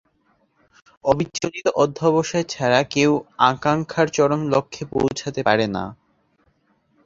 অবিচলিত অধ্যবসায় ছাড়া কেউ আকাঙ্খার চরম লক্ষ্যে পৌছাতে পারে না।